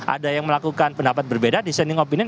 ada yang melakukan pendapat berbeda disanding opinion